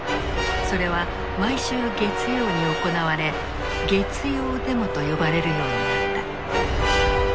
それは毎週月曜に行われ「月曜デモ」と呼ばれるようになった。